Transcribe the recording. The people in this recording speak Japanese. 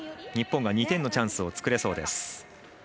日本は２点のチャンス作れそうです。